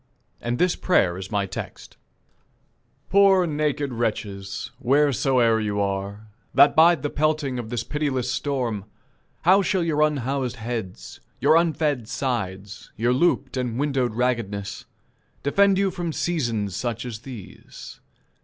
And this prayer is my text: "Poor naked wretches, wheresoe'er you are, That bide the pelting of this pitiless storm, How shall your unhoused heads, your unfed sides, Your looped and windowed raggedness, defend you From seasons such as these?